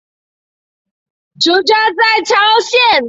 其冢在谯县。